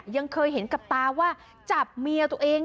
ยังเคยเห็นกับตาว่าจับเมียตัวเอง